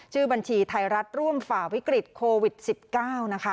บัญชีไทยรัฐร่วมฝ่าวิกฤตโควิด๑๙นะคะ